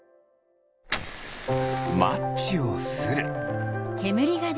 マッチをする。